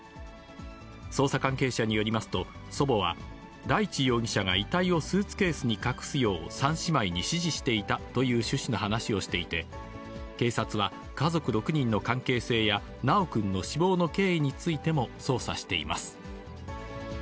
捜査関係者によりますと、祖母は、大地容疑者が遺体をスーツケースに隠すよう３姉妹に指示していたという趣旨の話をしていて、警察は家族６人の関係性や、修くんの死亡の経緯についても捜査しています。